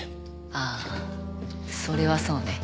ああそれはそうね。